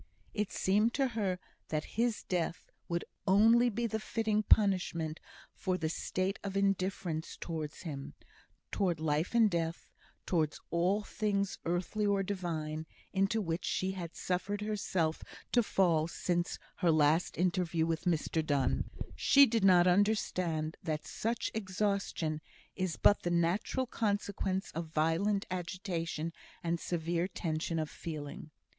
It seemed to her that his death would only be the fitting punishment for the state of indifference towards him towards life and death towards all things earthly or divine, into which she had suffered herself to fall since her last interview with Mr Donne. She did not understand that such exhaustion is but the natural consequence of violent agitation and severe tension of feeling.